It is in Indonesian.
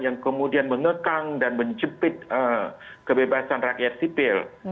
yang kemudian mengekang dan menjepit kebebasan rakyat sipil